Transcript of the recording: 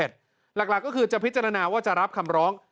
หลักก็คือจะพิจารณาว่าจะรับคำร้อง